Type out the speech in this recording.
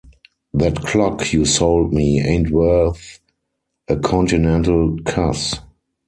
That clock you sold me ain't worth a continental cuss.